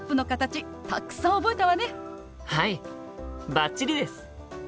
バッチリです！